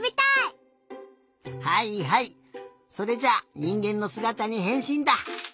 はいはいそれじゃあにんげんのすがたにへんしんだ！